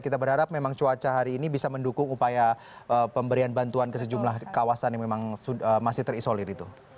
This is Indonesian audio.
kita berharap memang cuaca hari ini bisa mendukung upaya pemberian bantuan ke sejumlah kawasan yang memang masih terisolir itu